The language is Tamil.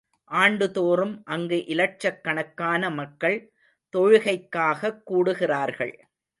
ஆண்டு தோறும் அங்கு இலட்சக் கணக்கான மக்கள் தொழுகைக்காகக் கூடுகிறார்கள்.